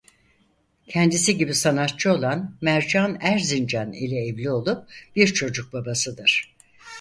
Kendisi gibi sanatçı olan Mercan Erzincan ile evli olup bir çocuk babasıdır.